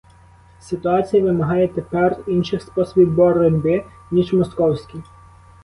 Ситуація вимагає тепер інших способів боротьби, ніж московські.